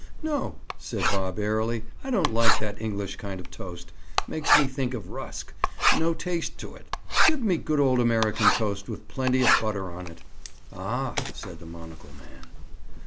"No," said Bob airily. "I don't like that English kind of toast. Makes me think of rusk! No taste to it! Give me good old American toast with plenty of butter on it." "Aw!" said the monocle man.